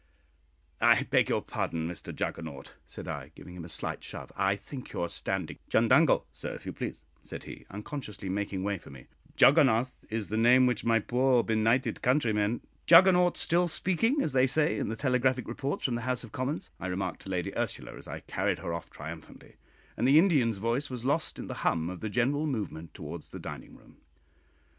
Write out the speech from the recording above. "I beg your pardon, Mr Juggernaut," said I, giving him a slight shove, "I think you are standing " "Chundango, sir, if you please," said he, unconsciously making way for me, "Juggonath is the name which my poor benighted countrymen " "Juggernaut still speaking, as they say in the telegraphic reports from the House of Commons," I remarked to Lady Ursula, as I carried her off triumphantly; and the Indian's voice was lost in the hum of the general movement towards the dining room.